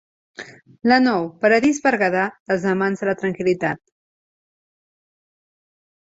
La Nou, paradís berguedà dels amants de la tranquil·litat.